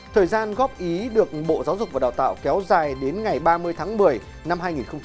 thời gian góp ý được bộ giáo dục và đào tạo kéo dài đến ngày ba mươi tháng một mươi năm hai nghìn một mươi chín